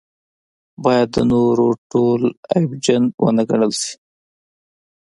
باید د نورو ټول عیبجن ونه ګڼل شي.